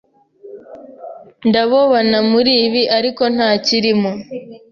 ndabobana muri ibi ariko ntakirimo,